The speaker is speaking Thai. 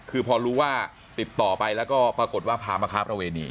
คือพอรู้ว่าติดต่อไปแล้วก็ปรากฏว่าพามาค้าประเวณี